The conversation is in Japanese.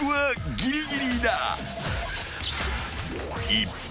［一方］